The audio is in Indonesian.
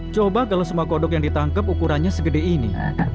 coba kalau semua kodok yang ditangkap ukurannya segede ini